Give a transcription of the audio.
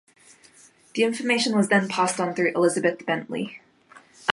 The information was then passed on through Elizabeth Bentley.